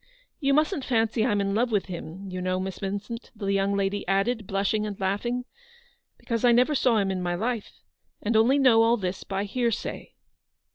You musn't fancy I'm in love with him, you know, Miss Vincent/' the young lady added, blushing and laughing, " because I never saw him in my life, and I only know all this by hearsay."